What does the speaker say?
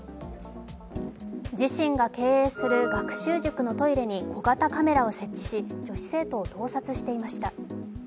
自身が経営する学習塾のトイレに小型カメラを設置し、女子生徒を盗撮していました。